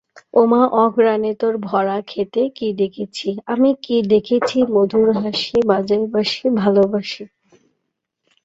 Here is a complete sample implementation in Haskell.